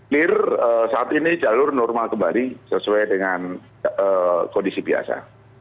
lir saat ini jalur normal kembali sesuai dengan kondisi biasa